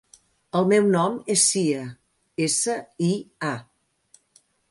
El meu nom és Sia: essa, i, a.